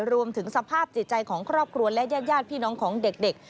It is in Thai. รวมถึงสภาพจิตใจของครอบครัวและญาติพี่น้องของเด็ก